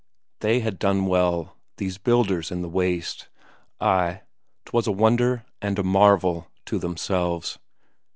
They had done well, these builders in the waste: ay, 'twas a wonder and a marvel to themselves.